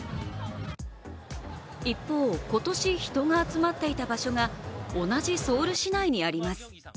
一方、今年、人が集まっていた場所が同じソウル市内にあります。